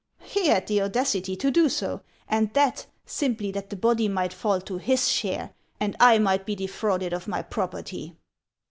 " He had the audacity to do so, and that, simply that the body might fall to his share, and I might be defrauded of my property."